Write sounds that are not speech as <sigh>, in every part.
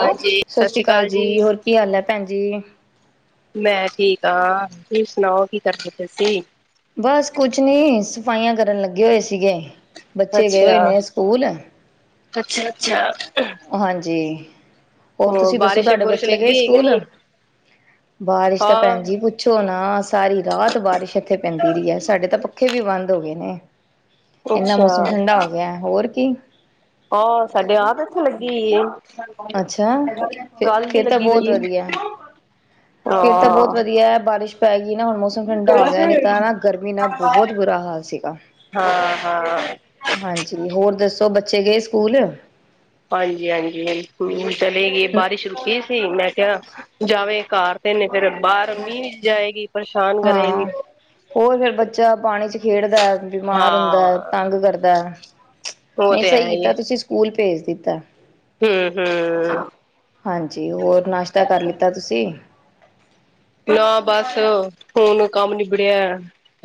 Hello. ਸਤਿ ਸ਼੍ਰੀ ਅਕਾਲ ਜੀ। ਹੋਰ ਕੀ ਹਾਲ ਹੈ ਭੈਣ ਜੀ? ਮੈਂ ਠੀਕ ਹਾਂ। ਤੁਸੀਂ ਸੁਣਾਓ, ਕੀ ਕਰਦੇ ਪਏ ਸੀ? ਬਸ ਕੁਛ ਨੀ, ਸਫਾਈਆਂ ਕਰਨ ਲੱਗੇ ਹੋਏ ਸੀਗੇ। ਬੱਚੇ ਗਏ ਹੋਏ ਨੇ ਸਕੂਲ। ਅੱਛਾ-ਅੱਛਾ। ਹਾਂਜੀ। ਹੋਰ ਤੁਸੀਂ ਦੱਸੋ ਬਾਰਿਸ਼ ਤੁਹਾਡੇ ਬੁਰਿਸ਼ ਬੱਚੇ ਗਏ ਲੱਗੀ ਹੈ ਕਿ ਸਕੂਲ? ਨਹੀਂ ਬਾਰਿਸ਼ ਤਾਂ ਹਾਂ ਭੈਣ ਜੀ ਪੁੱਛੋ ਨਾ ਸਾਰੀ ਰਾਤ ਬਾਰਿਸ਼ ਇੱਥੇ ਪੈਂਦੀ ਰਹੀ ਹੈ ਸਾਡੇ ਤਾਂ ਪ- ਖੇ ਵੀ ਬੰਦ ਹੋ ਗਏ ਨੇ। ਇੰਨਾ ਅੱਛਾ ਮੌਸਮ ਠੰਡਾ ਹੋ ਗਿਆ। ਹੋਰ ਕੀ। ਆਹ ਸਾਡੇ ਆਪ ਇਥੇ ਲੱਗੀ ਏ। ਅੱਛਾ ਫਿਰ ਕੱਲ ਦੀ ਫਿਰ ਤਾਂ ਲੱਗੀ ਪਈ ਏ। ਫੇਿਰ ਤਾਂ ਬਹੁਤ ਵਧੀਆ ਏ ਬਾਰਿਸ਼ ਪੈ ਗਈ ਨਾ ਹੁਣ ਮੌਸਮ ਠੰਡਾ ਹੋ ਗਿਆ ਨਹੀਂ ਤਾਂ ਨਾ ਗਰਮੀ ਨਾਲ ਬਹੁਤ ਬੁਰਾ ਹਾਲ- ਸੀਗਾ। ਹਾਂ-ਹਾਂ। ਹਾਂਜੀ, ਹੋਰ ਦੱਸੋ ਬੱਚੇ ਗਏ ਸਕੂਲ? ਹਾਂਜੀ-ਹਾਂਜੀ, ਹੁਨ ਚਲੇ ਗਈ। ਬਾਰਿਸ਼ ਰੁਕੀ ਸੀ, ਮੈਂ ਕਿਹਾ ਜਾਵੇ। ਕਾਰ ਤੇ ਨੇ ਫੇਰ ਇਹ ਬਾਹਰ ਮੀਂਹ ਚ ਜਾਏਗੀ? ਗਰੇਹੀ। ਹਾਂ ਹੋਰ ਫੇਰ ਬੱਚਾ ਪਾਣੀ ਚ ਖੇਡਦਾ ਬੀਮਾਰ ਹੁੰਦਾ ਹਾਂ ਤੰਗ ਕਰਦਾ ਐ। ਉਹ ਨਈ ਤੇ ਹੈ ਸਈ ਹੀ ਕੀਤਾ ਤੁਸੀਂ ਸਕੂਲ ਭੇਜ ਦਿੱਤਾ। ਹੂੰ-ਹੂੰ। ਹਾਂਜੀ, ਹੋਰ ਨਾਸ਼ਤਾ ਕਰ ਲਿੱਤਾ? ਤੁਸੀਂ ਨਾ ਬਸ ਹੁਨ ਕੰਮ ਨਿਬੜਿਆ।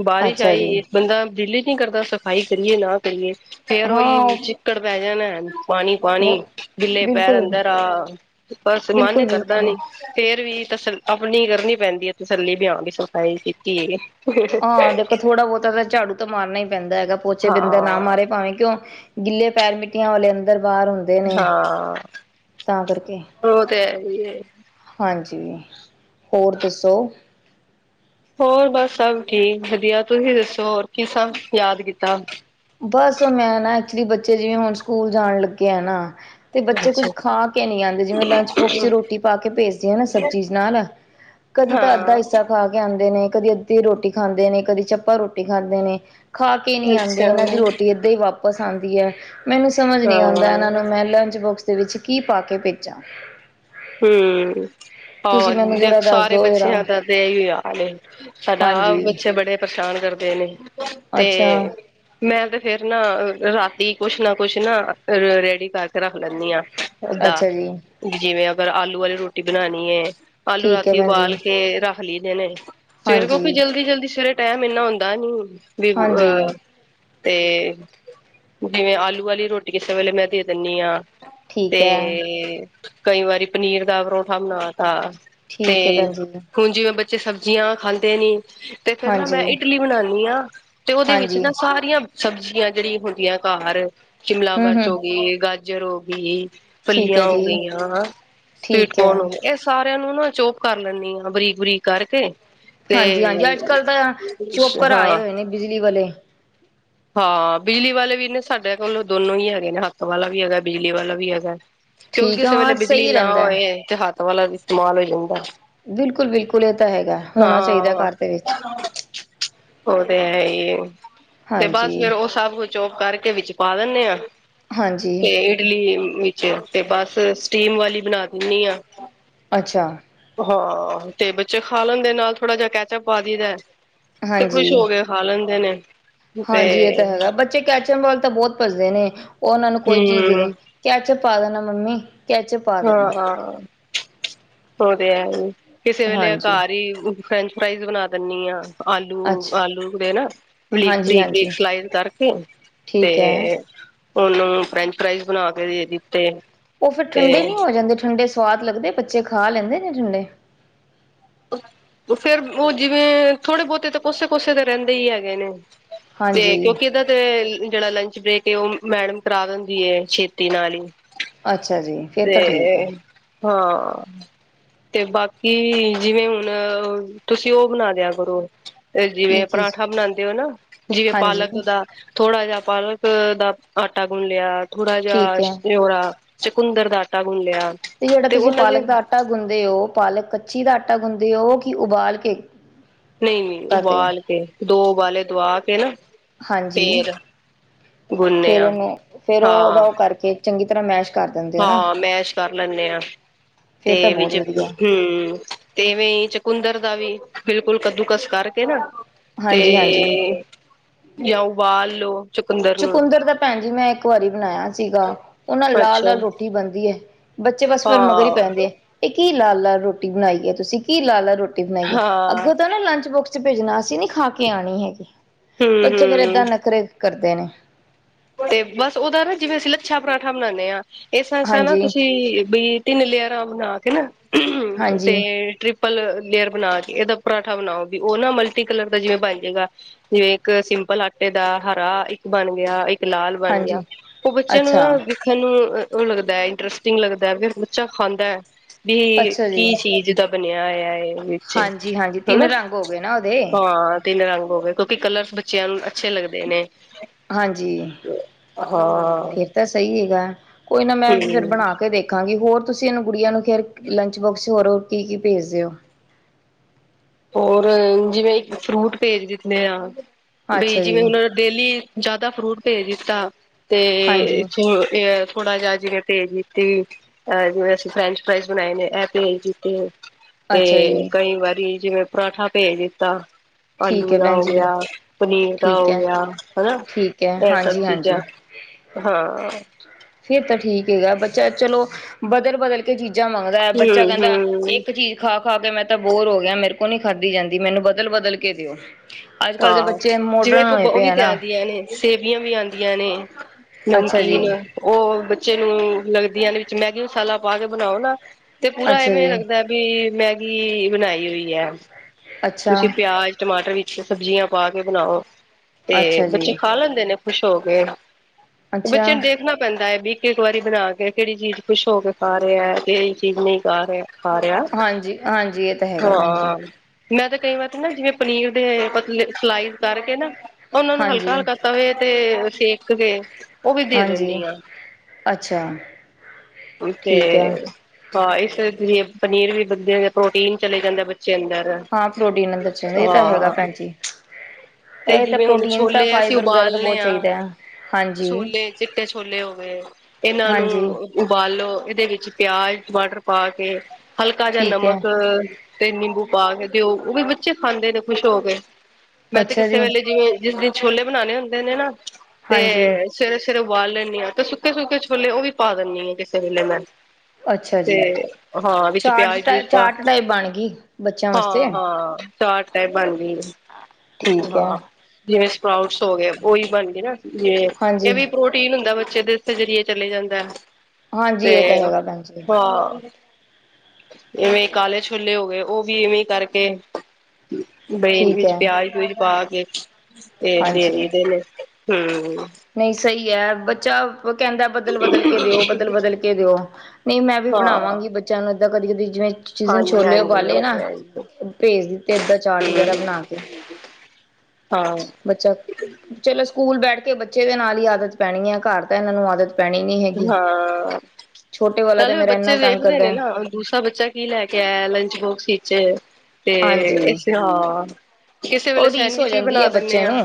ਬਾਰਿਸ਼ ਅੱਛਾ ਜੀ ਆਈ ਬੰਦਾ ਦਿਲ ਈ ਨੀ ਕਰਦਾ ਸਫ਼ਾਈ ਕਰੀਏ ਨਾ ਕਰੀਏ ਫੇਰ ਓਹੀ ਹਾਂ ਵਿੱਚ <inaudible> ਪਾਣੀ-ਪਾਣੀ ਉਹ ਗਿੱਲੇ ਪੈਰ ਬਿਲਕੁਲ ਅੰਦਰ ਆ ਬਸ ਮਨ ਬਿਲਕੁਲ ਈ ਕਰਦਾ ਬਿਲਕੁਲ ਨੀ। ਫੇਰ ਵੀ ਤਸ ਆਪਣੀ ਕਰਨੀ ਪੈਂਦੀ ਹੈ ਤਸੱਲੀ ਬੀ ਆ ਵੀ ਸਫਾਈ ਕੀਤੀ ਏ। ਹਾਂ ਦੇਖੋ ਥੋੜਾ ਬਹੁਤਾ ਤਾਂ ਝਾੜੂ ਤਾਂ ਮਾਰਨਾ ਈ ਪੈਂਦਾ ਹੈਗਾ ਪੋਚੇ ਬਿੰਦਾ ਨਾ ਹਾਂ-ਹਾਂ ਮਾਰੇ ਭਾਵੇਂ ਕਿਉਂ। ਗਿੱਲੇ ਪੈਰ ਮਿੱਟੀਆਂ ਵਾਲੇ ਅੰਦਰ ਬਾਹਰ ਹੁੰਦੇ। ਨੇ ਹਾਂ ਤਾਂ ਕਰਕੇ ਓ ਤੇ ਹੈ ਵੀ ਹੈ। ਹਾਂਜੀ, ਹੋਰ ਦੱਸੋ। ਹੋਰ ਬਸ ਸਭ ਠੀਕ ਵਧੀਆ ਤੁਸੀਂ ਦੱਸੋ ਹੋਰ ਕੀਸਾ ਯਾਦ ਕੀਤਾ। ਬਸ ਮੈਂ ਨਾ ਐਕਚੁਲੀ ਬੱਚੇ ਜਿਵੇਂ ਹੁਣ ਸਕੂਲ ਜਾਣ ਲੱਗੇ ਆ ਨਾ। ਤੇ ਬੱਚੇ ਕੁੱਝ ਅੱਛਾ ਖਾ ਕੇ ਨੀ ਆਂਦੇ ਜਿਵੇਂ ਲੰਚ ਬੋਕਸ ਚ ਰੋਟੀ ਪਾ ਕੇ ਭੇਜਦੇ ਆ ਨਾ ਸਬਜ਼ੀ ਨਾਲ ਕਦੀ ਤਾਂ ਅੱਧਾ ਹਾਂ ਹਿੱਸਾ ਖਾ ਆਂਦੇ ਨੇ ਕਦੀ ਅੱਧੀ ਰੋਟੀ ਖਾਂਦੇ ਨੇ ਕਦੀ ਚੱਪਾ ਰੋਟੀ ਖਾਂਦੇ ਨੇ ਖਾ ਕੇ ਨੀ ਆਂਦੇ। ਏਨਾਂ ਦੀ ਅੱਛਾ। ਰੋਟੀ ਏਦਾਂ ਹੀ ਵਾਪਿਸ ਆਂਦੀ ਐ ਮੈਨੂੰ ਸਮਝ ਹਾਂ ਨੀ ਆਂਦਾ ਏਨਾਂ ਨੂੰ ਮੈਂ ਲੰਚ ਬੋਕਸ ਦੇ ਵਿੱਚ ਕੀ ਪਾ ਕੇ ਭੇਜਾਂ। ਹੂੰ, ਆਹੋ ਤੁਸੀਂ ਮੈਨੂੰ ਜਰਾ ਦੇਖ ਦੱਸ ਸਾਰੇ ਦੋ ਜਰਾ ਬੱਚੇਆਂ ਦਾ ਤੇ ਏਹੀ ਹਾਲ ਏ। ਸਾਡਾ ਆਪ ਹਾਂਜੀ ਬੱਚੇ ਬੜੇ ਪ੍ਰੇਸ਼ਾਨ ਕਰਦੇ ਨੇ ਤੇ। ਅੱਛਾ ਮੈਂ ਤੇ ਫੇਰ ਨਾ ਰਾਤੀ ਕੁਛ ਨਾ ਕੁਛ ਨਾ ਰੈਡੀ ਕਰਕੇ ਰੱਖ ਲੈਂਨੀ ਆਂ। ਓਦਾ ਅੱਛਾ ਜੀ ਜਿਵੇਂ ਆਲੂ ਆਲੀ ਰੋਟੀ ਬਣਾਣੀ ਐ। ਆਲੂ ਠੀਕ ਐ ਰਾਤੀ ਭੈਣ ਜੀ ਉਬਾਲ ਕੇ ਰੱਖ ਲਈਦੇ ਨੇ ਸਵੇਰ ਹਾਂਜੀ ਕਿਉਕਿ ਜਲਦੀ-ਜਲਦੀ ਸਵੇਰੇ ਟੈਮ ਏਨਾ ਹੁੰਦਾ ਨੀ ਵੀ ਹਾਂਜੀ ਅਹ ਤੇ ਜਿਵੇਂ ਆਲੂ ਆਲੀ ਰੋਟੀ ਕਿਸੇ ਵੇਲੇ ਮੈਂ ਦੇ ਦੀਨੀ ਆ। ਤੇ ਠੀਕ ਐ ਕਈ ਵਾਰੀ ਪਨੀਰ ਦਾ ਪਰੋਠਾ ਬਣਾਤਾ। ਤੇ ਠੀਕ ਹੈ ਭੈਣ ਜੀ ਹੁਣ ਜੀਵੇਂ ਬੱਚੇ ਸਬਜ਼ੀਆਂ ਖਾਂਦੇ ਨੀ। ਤੇ ਫੇਰ ਨਾ ਮੈਂ ਹਾਂਜੀ ਇਡਲੀ ਬਣਾ ਰਈ ਆ ਤੇ ਓਦੇ ਵਿੱਚ ਹਾਂਜੀ ਨਾ ਸਾਰੀਆਂ ਸਬਜ਼ੀਆਂ ਜੇੜੀ ਹੁੰਦੀਆਂ ਘਰ ਸ਼ਿਮਲਾ ਹੂੰ ਮਿਰਚ ਹੂੰ ਹੋਗੀ, ਗਾਜਰ ਹੋਗੀ। ਠੀਕ ਫਲੀਆਂ ਹੈ ਜੀ ਹੋਗੀਆਂ ਠੀਕ ਹੈ ਪੀਟਕੌਣ ਹੋ ਗਿਆ। ਏ ਸਾਰਿਆਂ ਨੂੰ ਨਾ ਚੌਪ ਕਰ ਲੈਂਣੀ ਆ ਬਰੀਕ-ਬਰੀਕ ਕਰਕੇ। ਤੇ ਹਾਂਜੀ-ਹਾਂਜੀ ਅੱਜਕੱਲ੍ਹ ਤਾਂ ਚੋਪਰ ਆਏ ਹਾਂ ਹੋਏ ਨੇ ਬਿਜਲੀ ਵਾਲੇ <unintelligible> ਹਾਂ ਬਿਜਲੀ ਵਾਲੇ ਵੀ ਨੇ ਸਾਡੇ ਕੋਲ ਦੋਨੋ ਹੀ ਹੈਗੇ ਨੇ ਹੱਥ ਵਾਲਾ ਵੀ ਹੈਗਾ ਬਿਜਲੀ ਵਾਲਾ ਵੀ ਹੈਗਾ। ਕਿਉਂਕਿ ਠੀਕ ਆ ਕਿਸੇ ਵੇਲੇ ਹਾਂ ਬਿਜਲੀ ਸਹੀ ਨਾ ਰਹਿੰਦਾ ਹੋਏ ਤੇ ਹੱਥ ਵਾਲਾ ਇਸਤੇਮਾਲ ਹੋ ਜਾਂਦਾ। ਬਿਲਕੁਲ-ਬਿਲਕੁਲ ਏ ਤਾਂ ਹੈਗਾ ਹੋਣਾ ਚਾਈਦਾ ਘਰ ਦੇ ਵਿੱਚ ਓ ਤੇ ਹੈ ਈ ਏ ਤੇ ਬਸ ਹਾਂਜੀ ਫੇਰ ਓ ਸਭ ਕੁਛ ਚੋਪ ਕਰਕੇ ਵਿੱਚ ਪਾ ਦਿਨੇ ਆ ਤੇ ਹਾਂਜੀ ਇਡਲੀ ਵਿੱਚ ਆ ਤੇ ਬਸ ਸਟੀਮ ਵਾਲੀ ਬਣਾ ਦਿੰਨੀ ਆ। ਅੱਛਾ। ਹਾਂ ਤੇ ਬੱਚੇ ਖਾ ਲੈਦੇ ਨਾਲ ਥੋੜਾ ਜਾ ਕੈਚਅੱਪ ਪਾ ਦਈਦਾ ਤੇ ਹਾਂਜੀ ਖੁਸ਼ ਹੋਗੇ। ਖਾ ਲੈਂਦੇ ਨੇ। ਹਾਂਜੀ, ਏ ਤਾਂ ਤੇ ਹੈਗਾ। ਬੱਚੇ ਕੈਚਅਮ ਵਾਲ ਤਾਂ ਬਹੁਤ ਪਜਦੇ ਨੇ ਉਹ ਉਹਨਾਂ ਨੂੰ ਕੋਈ ਚੀਜ਼ ਦਾ ਹੂੰ ਕੈਚਮ ਪਾ ਦੇਣਾ ਮੰਮੀ ਕਚ ਪਾ ਦੇਣਾ ਹਾਂ ਉਹ ਤੇ ਹੈ ਜ ਕਿਸੇ ਵੇਲੇ ਆ ਹਾਂਜੀ ਘਰ ਹੀ ਫਰੈਂਚ ਫਰਾਈਜ਼ ਬਣਾ ਦਿੰਦੀ ਆ ਆਲੂ ਅੱਛਾ ਆਲੂ ਦੇ ਨਾ ਬਰੀਕ ਹਾਂਜੀ ਬਰੀਕ ਬਰੀਕ ਹਾਂਜੀ ਸਲਾਈ ਕਰਕੇ ਤੇ ਠੀਕ ਹੈ ਉਹਨੂੰ ਫਰੈਂਚ ਫਰਾਈਜ਼ ਬਣਾ ਕੇ ਦੇ ਦਿੱਤੇ ਉਹ ਫਿਰ ਠੰਡੇ ਤੇ ਨਹੀਂ ਹੋ ਜਾਂਦੇ ਠੰਡੇ ਸਆਦ ਲੱਗਦੇ ਬੱਚੇ ਖਾ ਲੈਂਦੇ ਨੇ ਠੰਡੇ ਫੇਰ ਉਹ ਜਿਵੇਂ ਥੋੜੇ ਬਹੁਤੇ ਤਾਂ ਕੋਸੇ ਕੋਸੇ ਤੇ ਰਹਿੰਦੇ ਹੀ ਹੈਗੇ ਨੇ ਤੇ ਹਾਂਜੀ ਕਿਉਂਕਿ ਇਹਦਾ ਤੇ ਜਿਹੜਾ ਲੰਚ ਬਰੀਕ ਕੇ ਉਹ ਮੈਡਮ ਕਰਾ ਦਿੰਦੀ ਛੇਤੀ ਨਾਲ ਹੀ ਅੱਛਾ ਜੀ ਫਿਰ ਤੇ ਤਾਂ ਠੀਕ ਆ ਹਾਂ ਤੇ ਬਾਕੀ ਜਿਵੇਂ ਹੁਣ ਤੁਸੀਂ ਉਹ ਬਣਾ ਦਿਆ ਕਰੋ ਕੀ ਜਿਵੇਂ ਚੀਜ਼ ਪਰਾਂਠਾ ਬਣਾਉਂਦੇ ਹੋ ਨਾ ਜਿਵੇਂ ਪਾਲਕ ਹਾਂਜੀ ਦਾ ਥੋੜ੍ਹਾ ਜਿਅ ਪਾਲਕ ਦਾ ਆਟਾ ਗੁੰਨ ਲਿਆ ਥੋੜਾ ਜਿਹਾ ਠੀਕ ਹੈ ਨੋਓਰਾ ਚ ਕੁੰਦਰ ਦਾ ਆਟਾ ਗੁੰਨ ਲਿਆ ਤੇ ਜਿਹੜਾ ਤੁਸੀਂ ਉਹਨਾਂ ਦੇ ਪਾਲਕ ਦਾ ਆਟਾ ਗੁੰਦੇ ਹੋ ਪਾਲਕ ਕੱਚੀ ਦਾ ਆਟਾ ਗੁੰਦੇ ਹੋ ਕਿ ਉਬਾਲ ਕੇ ਨਹੀਂ ਨਹੀਂ ਕਰਦੇ ਹੋ ਉਬਾਲ ਕੇ ਦੋ ਉਬਾਲੇ ਦਆ ਕੇ ਨਾ ਹਾਂਜੀ ਫੇਰ ਗੁੰਨੇ ਫੇਰ ਆ ਉਹਨੂੰ ਫੇਰ ਉਹ ਉਹਦਾ ਹਾਂ ਉਹ ਕਰਕੇ ਚੰਗੀ ਤਰ੍ਹਾਂ ਮੈਸ਼ ਕਰ ਦਿੰਦੇ ਹੋ ਨਾ ਹਾਂ ਮੈਸ਼ ਕਰ ਲੈਂਨੇ ਹਾਂ ਫਿਰ ਤਾਂ ਤੇ ਬਹੁਤ ਵਿੱਚ ਵਧੀਆ ਹਮ ਤੇ ਇਵੇਂ ਚਕੁੰਦਰ ਦਾ ਵੀ ਬਿਲਕੁਲ ਕੱਦੂਕਸ ਕਰਕੇ ਨਾ ਤੇ ਹਾਂਜੀ ਹਾਂਜੀ ਜਾਂ ਉਬਾਲ ਲੋ ਚੁਕੰਦਰ ਨੂੰ ਚਕੁੰਦਰ ਦਾ ਭੈਣ ਜੀ ਮੈਂ ਇੱਕ ਵਾਰੀ ਬਣਾਇਆ ਸੀਗਾ ਉਹ ਨਾਲ-ਲਾਲ ਅੱਛਾ ਲਾਲ ਰੋਟੀ ਬਣਦੀ ਹੈ ਬੱਚੇ ਬਸ ਫੇਿਰ ਮਗਰ ਹੀ ਹਾਂ ਪੈਂਦੇ ਆ ਇਹ ਕੀ ਲਾਲ ਲਾਲ ਰੋਟੀ ਬਣਾਈ ਹੈ ਤੁਸੀਂ ਕੀ ਲਾਲ ਲਾਲ ਰੋਟੀ ਰੋਟੀ ਬਣਾਈਏ ਹਾਂ ਅੱਗੋਂ ਤਾਂ ਨਾ ਲੰਚ ਬੁਕਸ ਚ ਭੇਜਣਾ ਅਸੀਂ ਨੀ ਖਾ ਕੇ ਆਣੀ ਹੈਗੀ ਹੂੰ ਬੱਚੇ ਫੇਿਰ ਹੂੰ ਏਦਾਂ ਨਖਰੇ ਕਰਦੇ ਨੇ ਤੇ ਬਸ ਉਹਦਾ ਨਾ ਜਿਵੇਂ ਅਸੀਂ ਲੱਛਾ ਪਰਾਂਠਾ ਬਨਾਉਂਦੇ ਹਾਂ ਇਸ ਤ ਤ੍ਹਾਂ ਨਾ ਹਾਂਜੀ, ਤੁਸੀਂ ਵੀ ਤਿੰਨ ਲੇਅਰਾ ਬਨਾ ਕੇ ਨਾ ਤੇ ਹਾਂਜੀ, ਟ੍ਰਿਪ ਤ੍ਰਿੱਪਲ ਲੇਅਰ ਬਣਾ ਕੇ ਇਹਦਾ ਪਰਾਂਠਾ ਬਣਾਓਗੀ ਉਹ ਨਾ ਮਲਟੀ ਕਲਰ ਦਾ ਜਿਵੇਂ ਬਣ ਜਾਏਗਾ ਜਿਵੇਂ ਇੱਕ ਸਿੰਪਲ ਆਟੇ ਦਾ ਹਰਾ ਇੱਕ ਬਣ ਗਿਆ ਇੱਕ ਇਕ ਲਾਲ ਬਣ ਗਿਆ ਹਾਂਜੀ ਉਹ ਬੱਚਿਆਂ ਨੂੰ ਨਾ ਅੱਛਾ, ਅੱਖਾਂ ਨੂੰ ਉਹ ਲੱਗਦਾ ਇੰਟਰਸਟਿੰਗ ਲੱਗਦਾ ਫੇਰ ਬੱਚਾ ਖਾਂਦਾ ਹੈ ਵੀ ਅੱਛਾ ਜੀ। ਕੀ ਚੀਜ਼ ਦਾ ਬਣਿਆ ਹੋਇਆ ਹੈ ਇਹ ਵਿੱਚ ਹੈ ਹਾਂਜੀ-ਹਾਂਜੀ ਤਿੰਨ ਹੈਨਾ ਰੰਗ ਹੋ ਗਏ ਨਾ ਉਹਦੇ ਹਾਂ ਤਿੰਨ ਰੰਗ ਹੋ ਗਏ ਕਿਉਂਕਿ ਕਲਰਸ ਬੱਚਿਆਂ ਨੂੰ ਅੱਛੇ ਲੱਗਦੇ ਨੇ ਹਾਂਜੀ ਹਾਂ ਫੇਰ ਤਾਂ ਸਹੀ ਹੈਗਾ ਕੋਈ ਨਾ ਮੈਂ ਵੀ ਫੇਿਰ ਹੂੰ ਬਣਾ ਕੇ ਦੇਖ ਦੇਖਾਂਗੀ ਹੋਰ ਤੁਸੀਂ ਇਹਨੂੰ ਗੁੜੀਆਂ ਨੂੰ ਫੇਰ ਲੰਚ ਬੋਕਸ ਹੋਰ ਕੀ ਕੀ ਭੇਜਦੇ ਹੋ ਹੋਰ ਜਿਵੇਂ ਇੱਕ ਫਰੂਟ ਭੇਜ ਦਿੱਦੇ ਆ ਬਈ ਅੱਛਾ ਜੀ, ਜਿਵੇਂ ਹੁਣ ਡੇਲੀ ਜ਼ਿਆਦਾ ਫਰੂਟ ਭੇਜ ਦਿੱਤਾ ਤੇ ਹਾਂਜੀ, ਇਥੇ ਥੋੜਾ ਜਿਹਾ ਜਿਵੇ ਭੇਜ ਦਿੱਤੀ ਅ ਜਿਵੇਂ ਅਸੀਂ ਫਰੈਂਚ ਫਰਾਈਜ਼ ਬਣਾਏ ਨੇ ਇਹ ਭੇਜ ਦਿੱਤੇ ਤੇ ਅੱਛਾ ਜੀ, ਕਈ ਵਾਰੀ ਜਿਵੇਂ ਪਰਾਂਠਾ ਭੇਜ ਦਿੱਤਾ ਠੀਕ ਆਲੂ ਹੈ ਦਾ ਭੈਣ ਹੋ ਜੀ। ਗਿਆ ਪਨੀਰ ਦਾ ਠੀਕ ਹੋ ਹੈ, ਗਿਆ ਹੈਨਾ ਠੀਕ ਹੈ, ਇਹ ਸਭ ਹਾਂਜੀ, ਚੀਜ਼ਾਂ ਹਾਂਜੀ। ਹਾਂ ਫੇਰ ਤਾਂ ਠੀਕ ਹੈਗਾ ਬੱਚਾ ਚਲੋ, ਬਦਲ-ਬਦਲ ਕੇ ਚੀਜ਼ਾਂ ਮੰਗਣਾ ਵੈ, ਬੱਚਾ ਹਮ ਕਹਿੰਦਾ ਹਮ ਇੱਕ ਚੀਜ਼ ਖਾ-ਖਾ ਕੇ ਮੈਂ ਤਾਂ ਬੋਰ ਹੋ ਗਿਆ, ਮੇਰੇ ਕੋਲ ਨੀ ਖਾਧੀ ਜਾਂਦੀ, ਮੈਨੂੰ ਬਦਲ-ਬਦਲ ਕੇ ਦਿਓ ਅੱਜ- ਕੱਲ੍ਹ ਦੇ ਹਾਂ ਬੱਚੇ ਜਿਵੇਂ ਮੋਡਰਨ ਕੋ ਹੋਏ ਉਹ ਪਏ ਵੀ ਆ ਤੇ ਨਾ ਆਉਂਦੀਆਂ ਨੇ ਸੇਵੀਆਂ ਵੀ ਆਉਂਦੀਆਂ ਨੇ, ਅੱਛਾ ਜੀ, ਨਮਕੀਨ ਉਹ ਬੱਚੇ ਨੂੰ ਲੱਗਦੀਆਂ, ਵਿੱਚ ਮੈਗੀ ਮਸਾਲਾ ਪਾ ਕੇ ਬਣਾਓ ਨਾ, ਤੇ ਪੂਰਾ ਅੱਛਾ ਇਵੇਂ ਜੀ। ਲੱਗਦਾ ਵੀ ਮੈਗੀ ਬਣਾਈ ਹੋਈ ਆ ਤੁਸੀਂ ਅੱਛਾ, ਪਿਆਜ, ਟਮਾਟਰ, ਵਿੱਚ ਸਬਜ਼ੀਆਂ ਪਾ ਕੇ ਬਣਾਓ, ਤੇ ਅੱਛਾ ਜੀ, ਬੱਚੇ ਖਾ ਲੈਂਦੇ ਨੇ ਖੁਸ਼ ਹੋ ਕੇ, ਅੱਛਾ। ਬੱਚੇ ਨੂੰ ਦੇਖਣਾ ਪੈਂਦਾ ਹੈ ਵੀ ਇੱਕ ਵਾਰੀ ਬਣਾ ਕੇ, ਕਿਹੜੀ ਚੀਜ਼ ਕੁਸ਼ ਹੋ ਕੇ ਖਾ ਰਿਹਾ, ਕਿਹੜੀ ਚੀਜ਼ ਨਹੀਂ ਖਾ ਰਿਹਾ ਖਾ ਰਹਯਾ, ਹਾਂਜੀ, ਹਾਂਜੀ ਇਹ ਤਾਂ ਹੈਗਾ ਭੈਣ ਜੀ, ਹਾਂ ਮੈਂ ਤੇ ਕਈ ਵਾਰ ਨਾ ਜਿਵੇਂ ਪਨੀਰ ਦੇ ਪਤਲੇ ਸਲਾਈਸ ਕਰਕੇ ਨਾ, ਉਹਨਾਂ ਨੂੰ ਹਾਂਜੀ, ਹਲਕਾ-ਹਲਕਾ ਕਵੇ ਤੇ, ਸੇਕ ਕੇ ਉਹ ਵੀ ਦੇ ਹਾਂਜੀ, ਦਿੰਦੀ ਆ ਅੱਛਾ ਉਤੇ ਠੀਕ ਹੈ। ਹਾਂ, ਇਸੇ ਲਈ ਪਨੀਰ ਵੀ ਵਧ, ਜਾਂ ਪ੍ਰੋਟੀਨ ਚਲੇ ਜਾਂਦਾ ਬੱਚੇ ਅੰਦਰ ਹਾਂ ਪ੍ਰੋਟੀਨ ਅੰਦਰ ਚਾਹੀਦਾ ਇਹ ਤਾਂ ਹੈਗਾ ਹਾਂ ਭੈਣ ਜੀ ਤੇ ਇਹ ਤਾਂ ਜਿਵੇਂ ਹੁਣ ਪ੍ਰੋਟੀਨ ਤਾਂ ਛੋਲੇ ਅਸੀਂ ਫਾਈਬਰ ਵਗੈਰਾ ਤਾਂ ਉਬਾਲਣੇ ਬਹੁਤ ਹਾਂ, ਚਾਹੀਦਾ ਹੈ ਹਾਂਜੀ ਛੋਲੇ, ਚਿੱਟੇ ਛੋਲੇ ਹੋ ਗਏ ਇਹਨਾਂ ਨੂੰ ਹਾਂਜੀ ਉਬਾਲੋ, ਇਹਦੇ ਵਿੱਚ ਪਿਆਜ, ਟਮਾਟਰ ਪਾ ਕੇ ਹਲਕਾ ਜਿ ਠੀਕ ਹੈ ਨਮਕ ਤੇ ਨਿੰਬੂ ਪਾ ਕੇ ਦਿਓ, ਉਹ ਵੀ ਬੱਚੇ ਖਾਂਦੇ ਨੇ ਖੁਸ਼ ਹੋ ਕੇ, ਮੈਂ ਤੇ ਅੱਛਾ ਕਿਸੇ ਜੀ ਵੇਲੇ ਜਿਵੇਂ, ਜਿਸ ਦਿਨ ਛੋਲੇ ਬਣਾਉਣੇ ਹੁੰਦੇ ਨੇ ਨਾ, ਤੇ ਹਾਂਜੀ ਸਵੇਰੇ-ਸਵੇਰੇ ਉਬਾਲ ਲੈਂਦੀ ਹਾਂ, ਤੇ ਸੁੱਕੇ-ਸੁੱਕੇ ਛੋਲੇ ਉਹ ਵੀ ਪਾ ਦਿੰਦੀ ਆ ਕਿਸੇ ਵੇਲੇ ਮੈਂ ਅੱਛਾ ਤੇ, ਜੀ ਹਾਂ, ਵਿੱਚ ਚਾਰਜ ਪਿਆਜ ਪਊਜ ਪਾ ਚਾਰਟ ਕੇ, ਟਾਈਪ ਬਣ ਗਈ ਬੱਚਿਆਂ ਵਾਸਤੇ ਹਾਂ-ਹਾਂ ਚਾਰ ਟਾਈਪ ਬਣਦੀ ਠੀਕ ਹੈ ਹਾਂ, ਜਿਵੇਂ ਸਪਰਾਊਟਸ ਹੋ ਗਏ, ਉਹੀ ਬਣ ਗਏ ਨਾ ਜਿਵੇ, ਹਾਂਜੀ ਇਹ ਵੀ। ਰੂਟੀਨ ਹੁੰਦਾ ਬੱਚੇ ਦੇ ਉੱਤੇ ਜ਼ਰੀਏ ਚਲੀ ਜਾਂਦਾ, ਹਾਂਜੀ ਤੇ ਇਹ ਤਾਂ ਹਾਂ। ਹੈਗਾ ਭੈਣ ਜੀ ਇਵੇਂ ਕਾਲੇ ਛੋਲੇ ਹੋ ਗਏ। ਉਹ ਵੀ ਇਵੇਂ ਕਰਕੇ। ਬਈ ਇਹਦੇ ਠੀਕ ਵਿੱਚ ਹੈ ਪਿਆਜ਼ ਪਊਜ ਪਾ ਕੇ, ਤੇ ਦੇ ਹਾਂਜੀ ਦੇਈਂ ਨੇ, ਹੂੰ। ਨਹੀਂ ਸਹੀ ਹੈ, ਬੱਚਾ। ਉਹ ਕਹਿੰਦਾ ਬਦਲ- ਬਦਲ ਕੇ ਦਿਓ, ਬਦਲ- ਬਦਲ ਕੇ ਦਿਓ, ਨਹੀਂ ਮੈਂ ਵੀ ਬਣਾਵਾਂਗੀ। ਹਾਂ ਬੱਚਿਆਂ ਨੂੰ ਤਾਂ ਕਦੀ- ਕਦੀ ਜਿਵੇਂ। ਜਿਸ ਦਿਨ ਹਾਂਜੀ ਛੋਲੇ ਹਾਂਜੀ ਉਬਾਲੇ ਉਹ ਨਾ, ਤੇ ਹੈ ਹੀ ਉਹ ਭੇਜ ਦਿੱਤੇ, ਏਦਾਂ ਚਾਟ ਵਗੈਰਾ ਬਣਾ ਕੇ। ਹਾਂ। ਬੱਚਾ, ਚਲੋ ਸਕੂਲ ਬੈਠ ਕੇ ਬੱਚੇ ਦੇ ਨਾਲ ਹੀ ਆਦਤ ਪੈਣੀ ਹੈ। ਘਰ ਤਾਂ ਇਹਨਾਂ ਨੂੰ ਆਦਤ। ਪੈਣੀ ਨੀ ਹੈਗੀ ਹਾਂ, ਛੋਟੇ ਵਾਲਾ ਤੇ ਪਹਿਲੇ ਵੀ ਮੇਰਾ ਬੱਚੇ ਇੰਨਾ ਤੰਗ ਵੇਖਦੇ ਨੇ ਕਰਦਾ ਨਾ, ਦੂਸਰਾ ਬੱਚਾ। ਕੀ ਲੈ ਕੇ ਆਇਆ, ਲੰਚ ਬੋਕਸ ਵਿੱਚ। ਤੇ, ਹਾਂਜੀ ਅਸੀਂ ਹਾਂ, ਕਿਸੇ ਵੇਲੇ ਉਹ ਰੀਸ ਹੋ ਸੈਂਡਵਿਚ ਵੀ ਜਾਂਦੀ ਬਣਾ ਹੈ ਦਿੰਦੇ ਬੱਚੇ ਹਾਂ। ਨੂੰ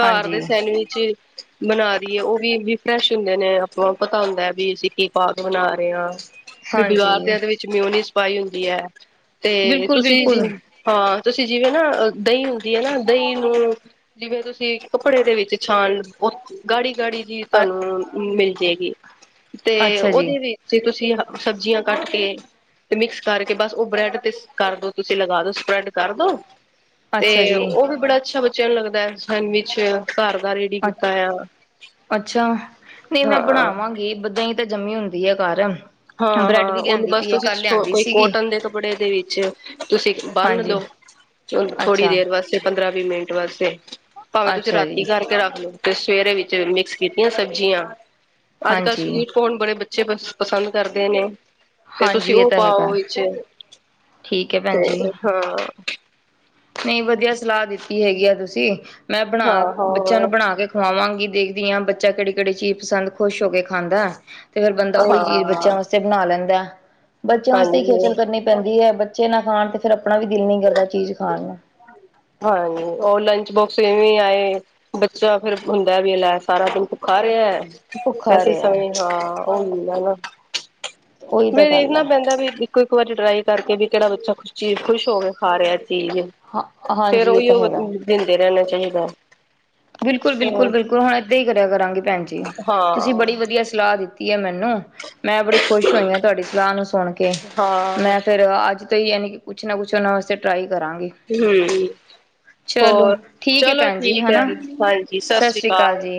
ਘਰ ਦੇ ਹਾਂਜੀ ਸੈਂਡਵਿਚ, ਬਣਾ ਦੀ ਏ, ਉਹ ਵੀ, ਵੀ ਫਰੈਸ਼ ਹੁੰਦੇ ਨੇ। ਸਾਨੂੰ ਪਤਾ ਹੁੰਦਾ ਵੀ ਅਸੀਂ ਕੀ ਪਾ ਕੇ ਬਣਾ ਰਹੇ ਹਾਂ, ਵੀ ਹਾਂਜੀ ਬਜ਼ਾਰ ਦੇ ਇਹਦੇ ਵਿੱਚ। ਵਿਚ ਮਿਉਨੀਸ ਪਾਈ ਹੁੰਦੀ ਹੈ, ਤੇ ਬਿਲਕੁਲ ਤੁਸੀਂ। ਬਿਲਕੁਲ ਹਾਂ, ਤੁਸੀਂ ਜਿਵੇਂ ਨਾ, ਦਹੀਂ ਹੁੰਦੀ ਹੈ ਨਾ, ਦਹੀਂ ਨੂੰ। ਜਿਵੇਂ ਤੁਸੀਂ ਕੱਪੜੇ ਦੇ ਵਿੱਚ ਛਾਨ ਲੋ, ਉਹ ਗਾੜੀ- ਗਾੜੀ। ਚੀਜ ਤੁਹਾਨੂੰ ਮਿਲ ਜਾਏਗੀ, ਤੇ ਅੱਛਾ ਜੀ ਉਹਦੇ ਵਿੱਚ। ਵਿੱਚ ਹੀ ਤੁਸੀਂ, ਸਬਜ਼ੀਆਂ ਕੱਟ ਕੇ। ਤੇ ਮਿਕਸ ਕਰਕੇ ਬਸ ਉਹ ਬ੍ਰੈਡ ਤੇ ਕਰਦੋ ਤੁਸੀਂ ਲਗਾ ਦੋ ਸਪ੍ਰੈਡ ਕਰਦੋ। ਤੇ ਅੱਛਾ ਜੀ ਉਹ ਵੀ ਬੜਾ ਅੱਛਾ ਬੱਚਿਆਂ ਨੂੰ ਲੱਗਦਾ ਸੈਂਡਵਿਚ ਘਰ ਦਾ ਰੇਡੀ ਅੱ ਕੀਤਾ ਆ। ਅੱਛਾ ਨਹੀਂ ਮੈਂ ਹਾਂ ਬਣਾਵਾਂਗੀ ਦਹੀਂ ਹੀ ਤਾਂ ਜੰਮੀ ਹੁੰਦੀ ਐ ਘਰ। ਹਾਂ ਬ੍ਰੈਡ ਹਾਂ ਵੀ ਉਹਨੂੰ ਲਿਆਂਦੀ ਬਸ ਪਈ ਹੈ ਤੁਸੀਂ ਕੱਲ ਲਿਆਂਦੀ ਕੋਈ ਸੀਗੀ ਕੋਟਨ ਦੇ ਕੱਪੜੇ ਦੇ ਵਿੱਚ। ਤੁਸੀਂ ਬੰਨ ਹਾਂਜੀ ਦਿਉ ਥੋੜ੍ਹੀ ਅੱਛਾ ਦੇਰ ਬਸ ਚਾਹੇ ਪੰਦਰਾਂ ਵੀਹ ਮਿੰਟ ਵਾਸਤੇ ਭਾਵੇਂ ਤੁਸੀਂ ਅੱਛਾ ਰਾਤੀ ਜੀ ਕਰਕੇ ਰੱਖ ਲਓ‌। ਤੇ ਸਵੇਰੇ ਵਿੱਚ ਮਿਕਸ ਕੀਤੀਆਂ ਸਬਜ਼ੀਆਂ ਅੱਜ ਕੱਲ੍ਹ ਹਾਂਜੀ ਸਵੀਟ ਕੌਣ ਬੜੇ ਬੱਚੇ ਪਸੰਦ। ਕਰਦੇ ਨੇ। ਤੇ ਤੁਸੀਂ ਹਾਂਜੀ ਇਹ ਉਹ ਤਾਂ ਪਾਓ ਹੈਗਾ ਵਿਚ ਠੀਕ ਹੈ ਭੈਣ ਤੇ ਜੀ ਹਾਂ। ਨਹੀਂ ਵਧੀਆ ਸਲਾਹ ਦਿੱਤੀ ਹੈਗੀ ਆ ਤੁਸੀਂ ਮੈਂ ਬਣਾ ਹਾਂ ਬੱਚਿਆਂ ਨੂੰ ਹਾਂ ਬਣਾ ਕੇ। ਖਵਾਵਾਂਗੀ ਦੇਖਦੀ ਹਾਂ ਬੱਚਾ ਕਿਹੜੀ ਕਿਹੜੀ ਚੀਜ਼ ਪਸੰਦ ਖ਼ੁਸ਼ ਹੋ ਕੇ ਖਾਂਦਾ। ਤੇ ਫੇਰ ਬੰਦਾ ਉਹੀ ਚੀਜ਼ ਬੱਚਿਆਂ ਹਾਂ ਵਾਸਤੇ। ਬਣਾ ਲੈਂਦਾ ਐ ਬੱਚਿਆਂ ਵਾਸਤੇ ਹੀ ਖੇਚਲ ਹਾਂਜੀ ਕਰਨੀ ਪੈਂਦੀ ਹੈ। ਬੱਚੇ ਨਾ ਖਾਣ ਤੇ। ਫਿਰ ਆਪਣਾ ਵੀ ਦਿਲ ਨੀ ਕਰਦਾ ਚੀਜ਼ ਖਾਣ ਨੂੰ। ਹਾਂਜੀ ਔਨਲਾਈਨ ਲੰਚ ਬੋਕਸ ਐਵੀਂ ਆਏ। ਬੱਚਾ ਫੇਰ ਹੁੰਦਾ ਵੀ ਲੈ ਸਾਰਾ ਦਿਨ ਭੁੱਖਾ ਰਿਹਾ, ਤੇ ਭੁੱਖਾ ਅਸੀਂ ਰਿਹਾ ਸੌਈਏ। ਉਹੀ ਹੈ ਨਾ, ਉਹੀ ਤਾਂ ਵੀ ਗੱਲ ਦੇਖਣਾ ਹੈ ਪੈਂਦਾ ਵੀ। ਕੋਈ ਇੱਕ ਵਾਰੀ ਟਰਾਈ ਕਰਕੇ ਵੀ ਕਿਹੜਾ ਬੱਚਾ ਖੁਸ਼ ਚੀਜ਼ ਖੁਸ਼ ਹੋ ਕੇ ਖਾ ਰਿਹਾ ਚੀਜ਼। ਹਾਂ ਫੇਰ ਹਾਂਜੀ ਇਹ ਉਹੀ ਤਾਂ ਹੋ ਹੈਗਾ ਦਿੰਦੇ ਰਹਿਣਾ ਚਾਹੀਦਾ ਹੈ। ਬਿਲਕੁਲ ਬਿਲਕੁਲ ਬਿਲਕੁਲ ਹੁਣ ਏਦਾਂ ਹੀ ਕਰਿਆ ਕਰਾਂਗੇ ਭੈਣ ਜੀ, ਤੁਸੀ ਹਾਂ ਬੜੀ ਵਧੀਆ ਸਲਾਹ ਦਿੱਤੀ। ਦਿੱਤੀ ਹੈ ਮੈਨੂੰ, ਮੈਂ ਬੜੀ ਖੁਸ਼ ਹੋਈ ਹਾਂ ਤੁਹਾਡੀ ਸਲਾਹ ਨੂੰ ਸੁਣ ਕੇ, ਹਮ ਮੈਂ ਫੇਰ ਅੱਜ। ਤੇ ਯਾਨੀ ਕਿ ਕੁਛ ਨਾ ਕੁਛ ਉਹਨਾਂ ਵਾਸਤੇ ਟਰਾਈ ਕਰਾਂਗੀ। ਚਲੋ ਹੋਰ ਠੀਕ ਹੈ ਚਲੋ ਭੈਣ ਜੀ ਠੀਕ ਹੈ ਹੈਨਾ। ਹਾਂਜੀ। ਸਤਿ ਸ਼੍ਰੀ ਅਕਾਲ ਜੀ।